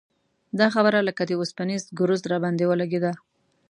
دا خبره لکه د اوسپنیز ګرز راباندې ولګېده.